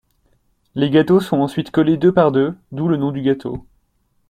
Les gâteaux sont ensuite collés deux par deux, d'où le nom du gâteau,